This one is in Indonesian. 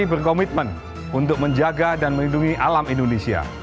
berkomitmen untuk menjaga dan melindungi alam indonesia